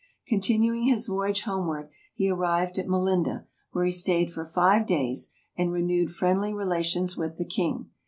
Continuing his voyage homeward he arrived at Melinda, where he stayed for five days, and renewed friendly relations with the king.